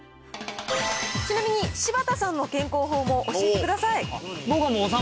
ちなみに柴田さんの健康法も教えてください。